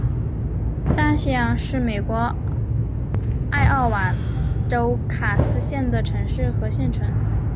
大西洋是美国艾奥瓦州卡斯县的城市和县城。